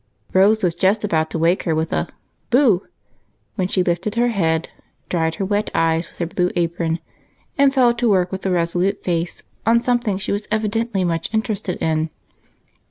Rose was just about to wake her with a " Boo !" when she lifted her head, dried her wet eyes with her blue apron, and fell to work with a resolute face on something she was evidently much interested in.